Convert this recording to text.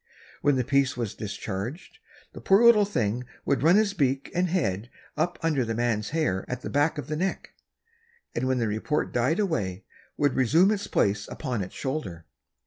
When the piece was discharged, the poor little thing would run its beak and head up under the man's hair at the back of the neck, and when the report died away would resume its place upon his shoulder.